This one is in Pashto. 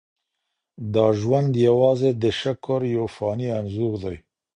دا ژوند یوازې د شکر یو فاني انځور دی.